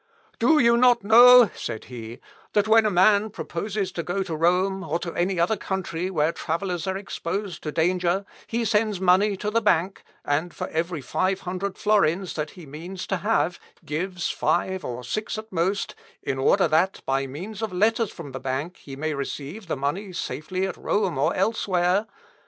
"Do you not know," said he, "that when a man proposes to go to Rome, or to any other country where travellers are exposed to danger, he sends his money to the bank, and for every five hundred florins that he means to have, gives five, or six at most, in order that, by means of letters from the bank, he may receive the money safely at Rome or elsewhere....